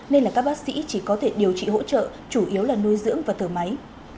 nên là các bác sĩ chỉ có thể điều trị hỗ trợ chủ yếu là nuôi dưỡng và thở máy